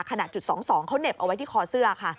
จุด๒๒เขาเหน็บเอาไว้ที่คอเสื้อค่ะ